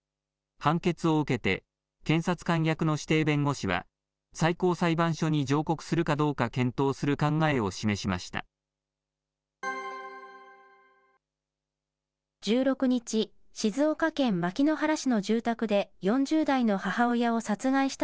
判決を受けて、検察官役の指定弁護士は、最高裁判所に上告するかどうか検討する考えを示しました。